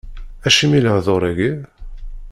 Acimi lehdur-agi?